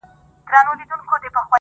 ډېوې پوري~